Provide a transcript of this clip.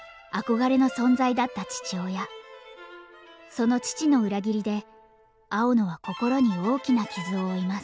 その父の裏切りで青野は心に大きな傷を負います。